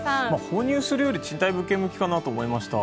購入するより賃貸物件向きかなと思いました。